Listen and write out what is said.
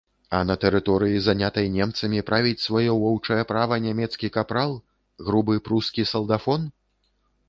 А на тэрыторыі, занятай немцамі, правіць сваё воўчае права нямецкі капрал, грубы прускі салдафон?